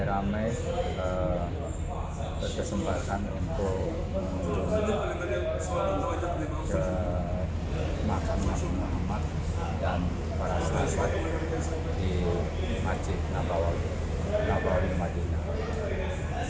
ramai ramai kesempatan untuk ke makam nabi muhammad dan para jemaah di masjid nabawi nabawi madinah